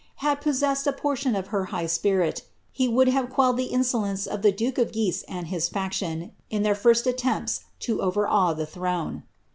had possessed a portion of her high spin' he would have quelled the insolence of the duke of Guise and his Ac tion in their first aiiempls lo overawe the throne."